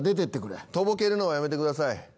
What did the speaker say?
とぼけるのはやめてください。